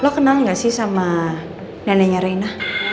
lo kenal gak sih sama neneknya reina